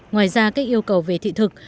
ngoài ra các yêu cầu về thị thực